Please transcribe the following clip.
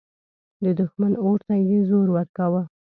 د دښمني اور ته یې زور ورکاوه.